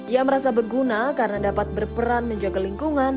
ia merasa berguna karena dapat berperan menjaga lingkungan